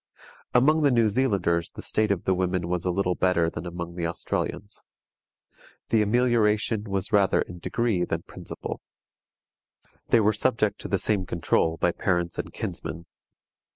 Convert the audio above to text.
Among the New Zealanders the state of the women was a little better than among the Australians. The amelioration was rather in degree than principle. They were subject to the same control by parents and kinsmen.